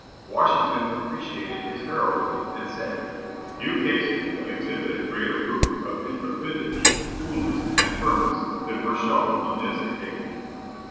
Washington appreciated his heroism, and said, "Few cases have exhibited greater proof of intrepidity, coolness, and firmness than were shown on this occasion."